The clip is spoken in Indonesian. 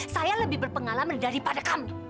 saya lebih berpengalaman daripada kami